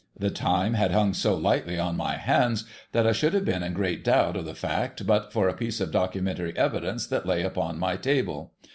The time had hung so h.s;htly on my hands, that 1 should have been in great doubt of the fact but for a piece of documentary evidence that lay upon my table.